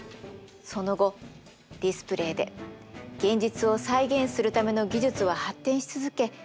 その後ディスプレイで現実を再現するための技術は発展し続け